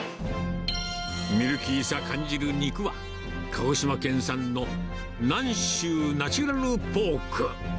ミルキーさ感じる肉は、鹿児島県産の南州ナチュラルポーク。